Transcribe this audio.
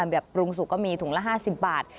แบบปรุงสุกก็มีถุงละ๕๐บาท